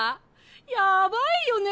やばいよね